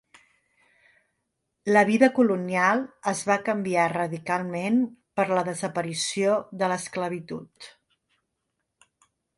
La vida colonial es va canviar radicalment per la desaparició de l'esclavitud.